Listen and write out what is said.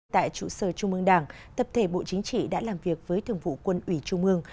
tại chủ sơ trung ương đảng tập thể bộ chính trị đã làm việc với thường vụ quân ủy trung ương